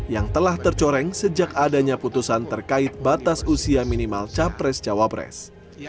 yang telah tercoreng sejak adanya putusan terkait batas usia minimal capres cawapres